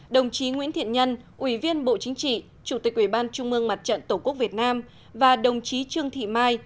đồng chí nguyễn thiện nhân ủy viên bộ chính trị chủ tịch ủy ban trung mương mặt trận tổ quốc việt nam và đồng chí trương thị mai